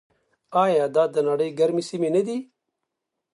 آیا دا د نړۍ ګرمې سیمې نه دي؟